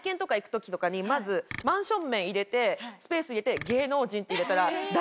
まずマンション名入れてスペース入れて芸能人って入れたら。